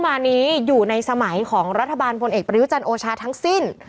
มานี้อยู่ในสมัยของรัฐบาลพลเอกประยุจันทร์โอชาทั้งสิ้น